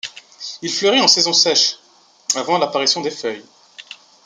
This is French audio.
Il fleurit en saison sèche, avant l'apparition des feuilles.